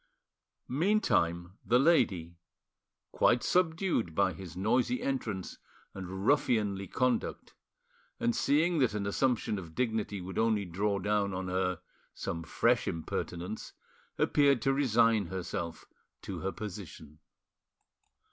Meantime the lady, quite subdued by his noisy entrance and ruffianly conduct, and seeing that an assumption of dignity would only draw down on her some fresh impertinence, appeared to resign herself to her position.